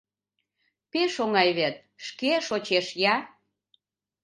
Пеш оҥай вет, шке шочеш я.